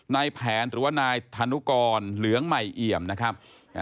นายแผนหรือว่านายธนุกรเหลืองใหม่เอี่ยมนะครับ